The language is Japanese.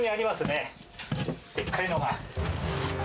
でっかいのが。